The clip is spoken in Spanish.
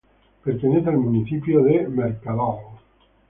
Pertenece al municipio de es Mercadal.